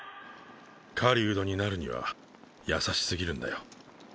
狩人になるには優しすぎるんだよ。